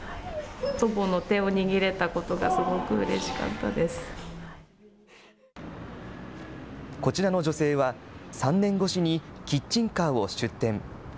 祖母の手を握れたことがすごくうこちらの女性は、３年越しにキッチンカーを出店。